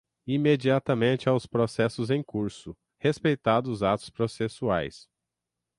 imediatamente aos processos em curso, respeitados os atos processuais